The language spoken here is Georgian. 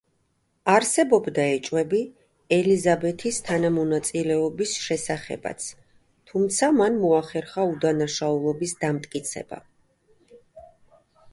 არსებობდა ეჭვები ელიზაბეთის თანამონაწილეობის შესახებაც, თუმცა, მან მოახერხა უდანაშაულობის დამტკიცება.